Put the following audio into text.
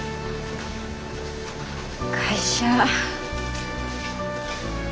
会社。